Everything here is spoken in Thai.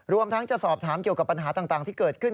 รวมทั้งจะสอบถามเกี่ยวกับปัญหาต่างที่เกิดขึ้น